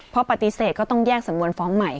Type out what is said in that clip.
พอปฏิเสธก็ต้องแยกสำนวนฟ้องใหม่